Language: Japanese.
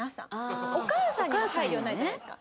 お母さんにも配慮ないじゃないですか。